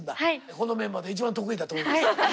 このメンバーで一番得意だと思います。